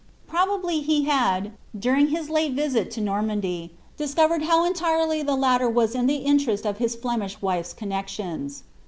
Probably he had, during his late visit to Normandy, discovered how entirely the latter was in the interest of his Flemish wife^s connexions.